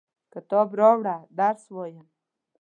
کتاب راوړه ، درس وایم!